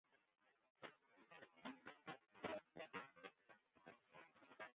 Tige tank foar it lekkere iten.